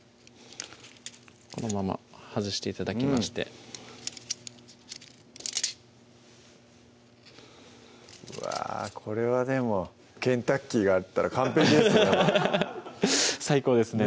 このまま外して頂きましてうわぁこれはでもケンタッキーがあったら完璧ですね最高ですね